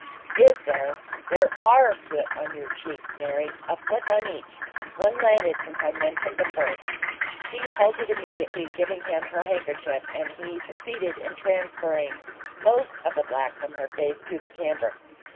"Is there? There ARE soot on your cheeks, Mary a fleck on each. One landed since I mentioned the first." She halted immediately, giving him her handkerchief, and he succeeded in transferring most of the black from her face to the cambric.